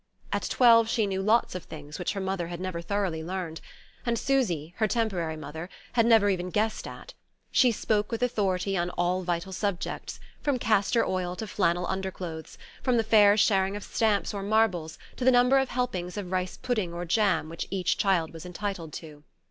At twelve she knew lots of things which her mother had never thoroughly learned, and Susy, her temporary mother, had never even guessed at: she spoke with authority on all vital subjects, from castor oil to flannel under clothes, from the fair sharing of stamps or marbles to the number of helpings of rice pudding or jam which each child was entitled to.